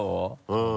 うん。